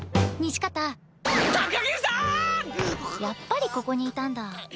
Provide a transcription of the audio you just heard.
やっぱりここにいたんだ。